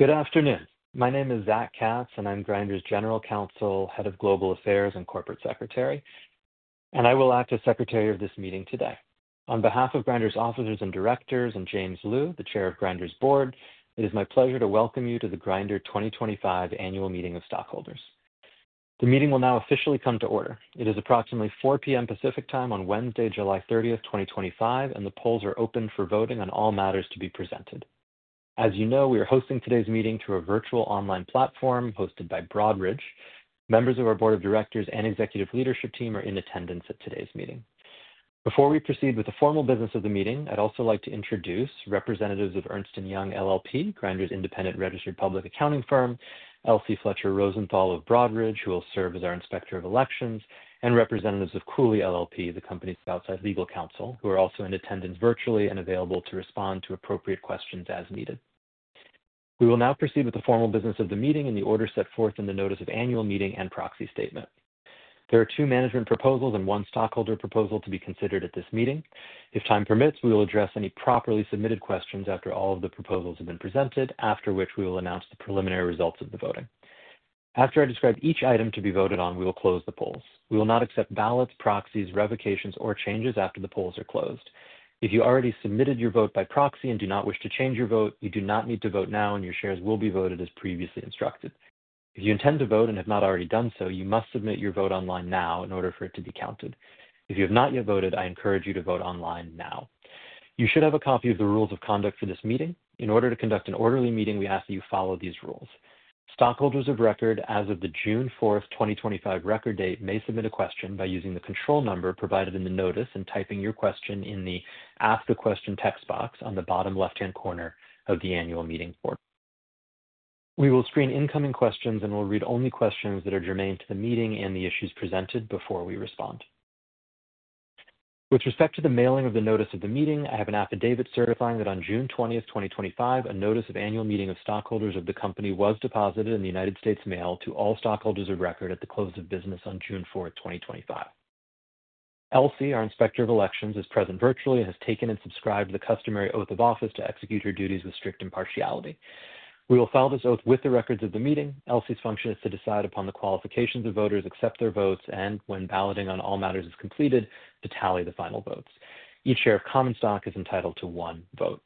Good afternoon. My name is Zac Katz, and I'm Grindr's General Counsel, Head of Global Affairs, and Corporate Secretary. I will act as Secretary of this meeting today. On behalf of Grindr's Officers and Directors and James Lu, the Chair of Grindr's Board, it is my pleasure to welcome you to the Grindr 2025 Annual Meeting of Stockholders. The meeting will now officially come to order. It is approximately 4:00 P.M. Pacific Time on Wednesday, July 30, 2025, and the polls are open for voting on all matters to be presented. As you know, we are hosting today's meeting through a virtual online platform hosted by Broadridge. Members of our Board of Directors and Executive Leadership Team are in attendance at today's meeting. Before we proceed with the formal business of the meeting, I'd also like to introduce representatives of Ernst & Young LLP, Grindr's independent registered public accounting firm, Elsie Fletcher-Rosenthal of Broadridge, who will serve as our Inspector of Elections, and representatives of Cooley LLP, the company's outside legal counsel, who are also in attendance virtually and available to respond to appropriate questions as needed. We will now proceed with the formal business of the meeting and the order set forth in the Notice of Annual Meeting and Proxy Statement. There are two management proposals and one stockholder proposal to be considered at this meeting. If time permits, we will address any properly submitted questions after all of the proposals have been presented, after which we will announce the preliminary results of the voting. After I describe each item to be voted on, we will close the polls. We will not accept ballots, proxies, revocations, or changes after the polls are closed. If you already submitted your vote by proxy and do not wish to change your vote, you do not need to vote now, and your shares will be voted as previously instructed. If you intend to vote and have not already done so, you must submit your vote online now in order for it to be counted. If you have not yet voted, I encourage you to vote online now. You should have a copy of the rules of conduct for this meeting. In order to conduct an orderly meeting, we ask that you follow these rules. Stockholders of record, as of the June 4, 2025 record date, may submit a question by using the control number provided in the notice and typing your question in the Ask a Question text box on the bottom left-hand corner of the annual meeting portal. We will screen incoming questions and will read only questions that are germane to the meeting and the issues presented before we respond. With respect to the mailing of the notice of the meeting, I have an affidavit certifying that on June 20, 2025, a Notice of Annual Meeting of Stockholders of the Company was deposited in the United States Mail to all stockholders of record at the close of business on June 4, 2025. Elsie, our Inspector of Elections, is present virtually and has taken and subscribed to the customary Oath of Office to execute her duties with strict impartiality. We will follow this oath with the records of the meeting. Elsie's function is to decide upon the qualifications of voters, accept their votes, and when balloting on all matters is completed, to tally the final votes. Each share of common stock is entitled to one vote.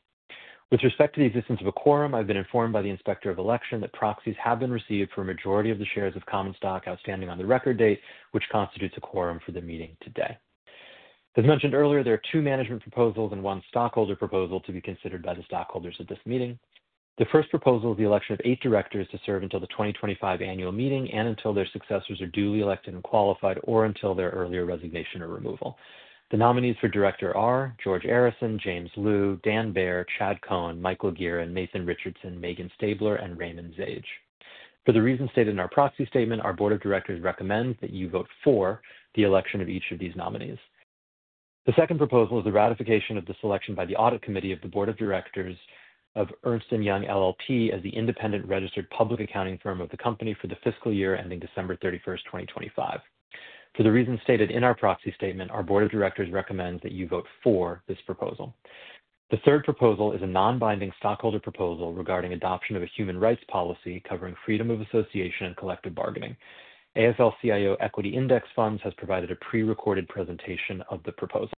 With respect to the existence of a quorum, I've been informed by the Inspector of Elections that proxies have been received for a majority of the shares of common stock outstanding on the record date, which constitutes a quorum for the meeting today. As mentioned earlier, there are two management proposals and one stockholder proposal to be considered by the stockholders at this meeting. The first proposal is the election of eight directors to serve until the 2025 annual meeting and until their successors are duly elected and qualified, or until their earlier resignation or removal. The nominees for director are George Arison, James Lu, Dan Baer, Chad Cohen, Michael Gearon, Nathan Richardson, Meghan Stabler, and Raymond Zage. For the reasons stated in our proxy statement, our Board of Directors recommends that you vote for the election of each of these nominees. The second proposal is the ratification of the selection by the Audit Committee of the Board of Directors of Ernst & Young LLP as the independent registered public accounting firm of the company for the fiscal year ending December 31, 2025. For the reasons stated in our proxy statement, our Board of Directors recommends that you vote for this proposal. The third proposal is a non-binding stockholder proposal regarding adoption of a human rights policy covering freedom of association and collective bargaining. AFL-CIO Equity Index Funds has provided a pre-recorded presentation of the proposal.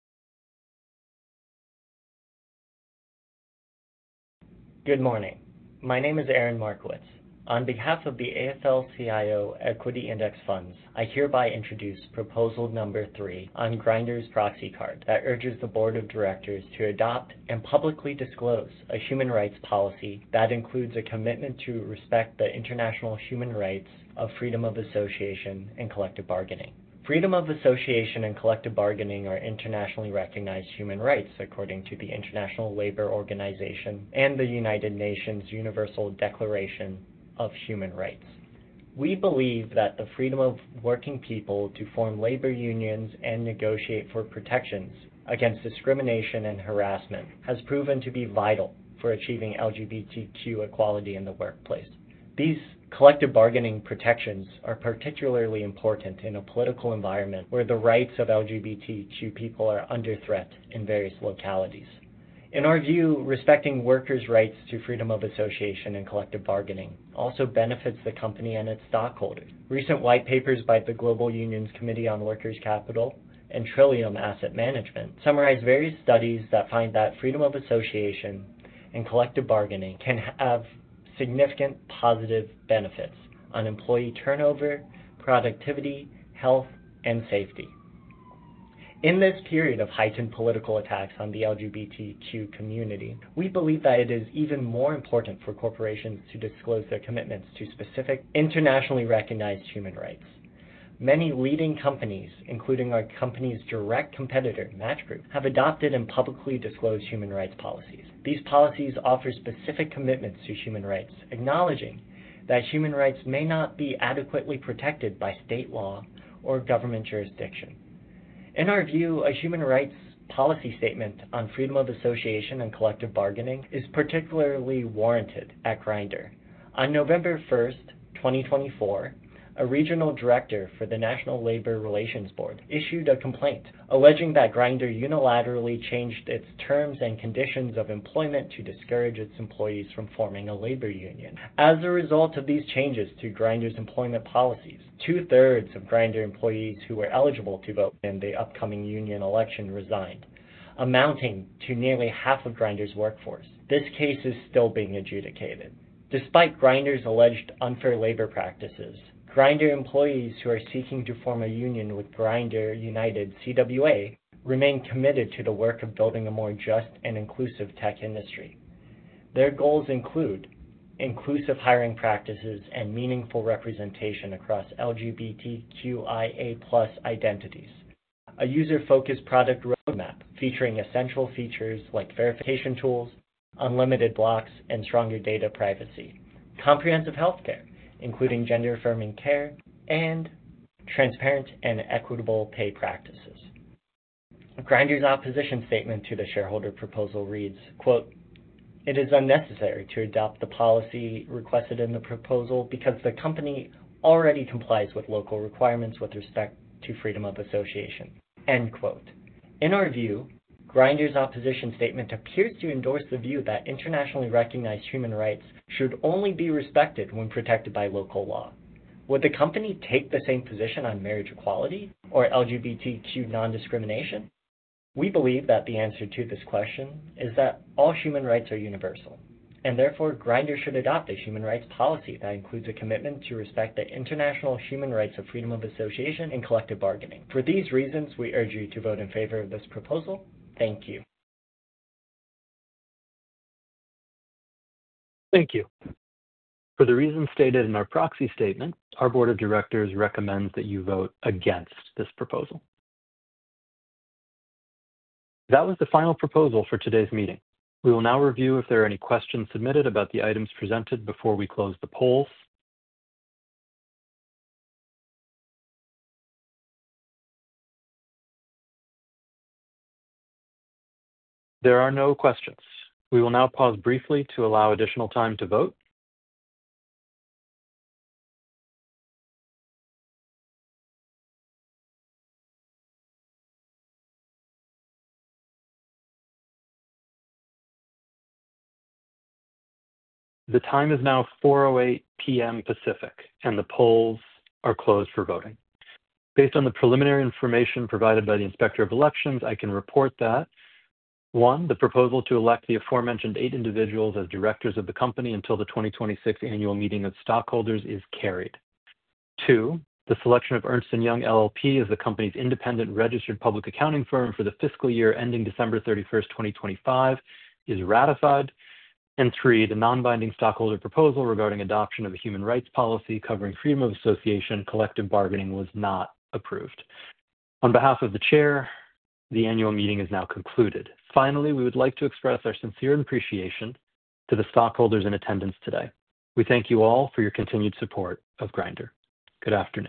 Good morning. My name is Aaron Markowitz. On behalf of the AFL-CIO Equity Index Funds, I hereby introduce Proposal No. 3 on Grindr's Proxy Card that urges the Board of Directors to adopt and publicly disclose a human rights policy that includes a commitment to respect the international human rights of freedom of association and collective bargaining. Freedom of association and collective bargaining are internationally recognized human rights according to the International Labor Organization and the United Nations Universal Declaration of Human Rights. We believe that the freedom of working people to form labor unions and negotiate for protections against discrimination and harassment has proven to be vital for achieving LGBTQ equality in the workplace. These collective bargaining protections are particularly important in a political environment where the rights of LGBTQ people are under threat in various localities. In our view, respecting workers' rights to freedom of association and collective bargaining also benefits the company and its stockholders. Recent white papers by the Global Unions Committee on Workers' Capital and Trillium Asset Management summarize various studies that find that freedom of association and collective bargaining can have significant positive benefits on employee turnover, productivity, health, and safety. In this period of heightened political attacks on the LGBTQ community, we believe that it is even more important for corporations to disclose their commitments to specific internationally recognized human rights. Many leading companies, including our company's direct competitor, Match Group, have adopted and publicly disclosed human rights policies. These policies offer specific commitments to human rights, acknowledging that human rights may not be adequately protected by state law or government jurisdiction. In our view, a human rights policy statement on freedom of association and collective bargaining is particularly warranted at Grindr. On November 1, 2024, a Regional Director for the National Labor Relations Board issued a complaint alleging that Grindr unilaterally changed its terms and conditions of employment to discourage its employees from forming a labor union. As a result of these changes to Grindr's employment policies, 2/3 of Grindr employees who were eligible to vote in the upcoming union election resigned, amounting to nearly half of Grindr's workforce. This case is still being adjudicated. Despite Grindr's alleged unfair labor practices, Grindr employees who are seeking to form a union with Grindr United CWA remain committed to the work of building a more just and inclusive tech industry. Their goals include inclusive hiring practices and meaningful representation across LGBTQIA+ identities, a user-focused product roadmap featuring essential features like verification tools, unlimited blocks, and stronger data privacy, comprehensive healthcare including gender-affirming care, and transparent and equitable pay practices. Grindr's opposition statement to the shareholder proposal reads, quote, "It is unnecessary to adopt the policy requested in the proposal because the company already complies with local requirements with respect to freedom of association. In our view, Grindr's opposition statement appears to endorse the view that internationally recognized human rights should only be respected when protected by local law. Would the company take the same position on marriage equality or LGBTQ non-discrimination? We believe that the answer to this question is that all human rights are universal, and therefore Grindr should adopt a human rights policy that includes a commitment to respect the international human rights of freedom of association and collective bargaining. For these reasons, we urge you to vote in favor of this proposal. Thank you. Thank you. For the reasons stated in our proxy statement, our Board of Directors recommends that you vote against this proposal. That was the final proposal for today's meeting. We will now review if there are any questions submitted about the items presented before we close the polls. There are no questions. We will now pause briefly to allow additional time to vote. The time is now 4:08 P.M. Pacific, and the polls are closed for voting. Based on the preliminary information provided by the Inspector of Elections, I can report that: one, the proposal to elect the aforementioned eight individuals as directors of the company until the 2026 annual meeting of stockholders is carried. Two, the selection of Ernst & Young LLP as the company's independent registered public accounting firm for the fiscal year ending December 31, 2025, is ratified. Three, the non-binding stockholder proposal regarding adoption of a human rights policy covering freedom of association and collective bargaining was not approved. On behalf of the Chair, the annual meeting is now concluded. Finally, we would like to express our sincere appreciation to the stockholders in attendance today. We thank you all for your continued support of Grindr. Good afternoon.